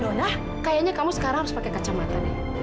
dona kayaknya kamu sekarang harus pakai kacamata nih